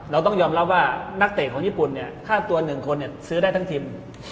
เราต้องยอมรับว่านักเตะของญี่ปุ่นเนี่ยค่าตัว๑คนซื้อได้ทั้งทีม